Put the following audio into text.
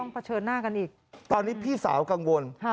เผชิญหน้ากันอีกตอนนี้พี่สาวกังวล